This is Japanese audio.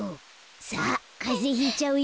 さあかぜひいちゃうよ。